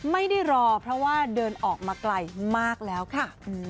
ไม่ได้รอเพราะว่าเดินออกมาไกลมากแล้วค่ะ